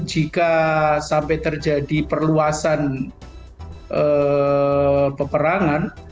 jika sampai terjadi perluasan peperangan